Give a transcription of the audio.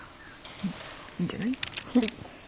うんいいんじゃない。